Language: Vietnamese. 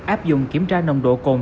áp dụng kiểm tra nồng độ cồn